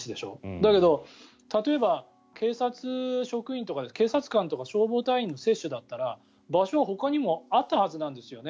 だけど、例えば警察官とか消防隊員の接種だったら場所は、ほかにもあったはずなんですよね。